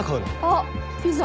あっピザ。